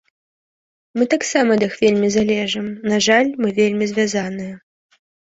Мы таксама ад іх вельмі залежым, на жаль, мы вельмі звязаныя.